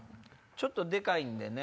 ちょっとでかいんでね。